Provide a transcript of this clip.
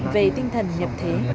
về tinh thần nhập thế